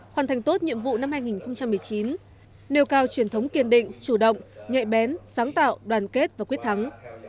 hoàn thành tốt nhiệm vụ năm hai nghìn một mươi chín nêu cao truyền thống kiên định chủ động nhạy bén sáng tạo đoàn kết và quyết thắng